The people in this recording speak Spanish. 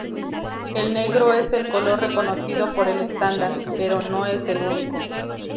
El negro es el color reconocido por el estándar, pero no es el único.